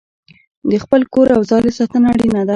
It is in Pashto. د خپل کور او ځالې ساتنه اړینه ده.